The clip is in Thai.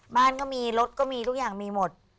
บ้านก็มีรถก็มีทุกอย่างมีหมด